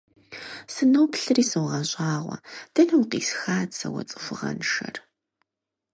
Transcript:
Сыноплъри согъэщӀагъуэ: дэнэ укъисхат сэ уэ цӀыхугъэншэр?